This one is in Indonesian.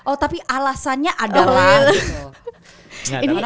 oh tapi alasannya adalah